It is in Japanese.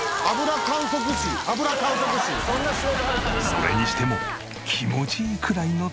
それにしても気持ちいいくらいの食べっぷり。